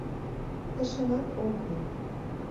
Тышанат огыл...